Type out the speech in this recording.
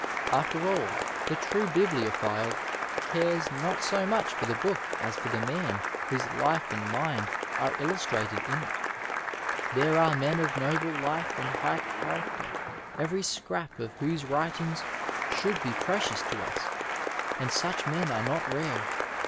After all, the true bibliophile cares not so much for tiie book as for the man whose life and mind are illustrated in it. There are men of noble Ufe and high character, every scrap of whose writings should be precious to us, and such men are not rare.